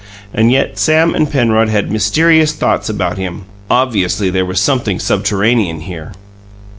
And yet Sam and Penrod had mysterious thoughts about him obviously there was something subterranean here.